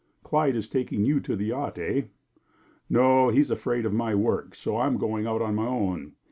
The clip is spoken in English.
"Clyde is taking you to the yacht, eh?" "No! He's afraid of my work, so I'm going out on my own.